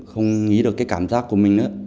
không nghĩ được cái cảm giác của mình